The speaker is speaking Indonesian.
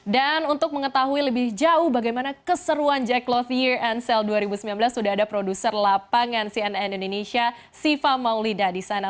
dan untuk mengetahui lebih jauh bagaimana keseruan jack cloth year end sale dua ribu sembilan belas sudah ada produser lapangan cnn indonesia siva maulida di sana